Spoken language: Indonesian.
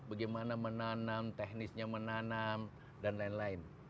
bagaimana menanam teknisnya menanam dan lain lain